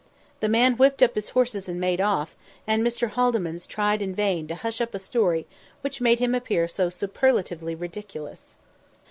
The man whipped up his horses and made off, and Mr. Haldimands tried in vain to hush up a story which made him appear so superlatively ridiculous.